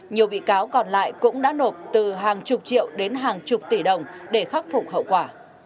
nhiều bị cáo còn lại cũng đã nộp từ hàng chục triệu đến hàng chục tỷ đồng để khắc phục hậu quả